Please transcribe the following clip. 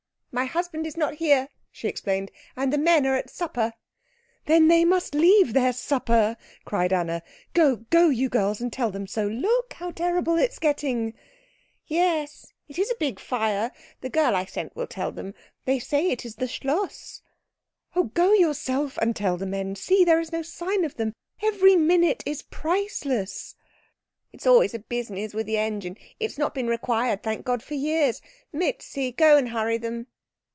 "My husband is not here," she explained, "and the men are at supper." "Then they must leave their supper," cried Anna. "Go, go, you girls, and tell them so look how terrible it is getting " "Yes, it is a big fire. The girl I sent will tell them. They say it is the Schloss." "Oh, go yourself and tell the men see, there is no sign of them every minute is priceless " "It is always a business with the engine. It has not been required, thank God, for years. Mietze, go and hurry them."